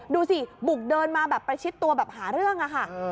ดูสิบุกเดินมาแบบประชิดตัวแบบหาเรื่องอะค่ะ